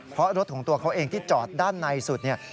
เพราะรถของตัวเขาเองที่จอดด้านในสุดเนี่ย